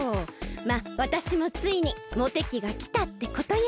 まっわたしもついにモテキがきたってことよ。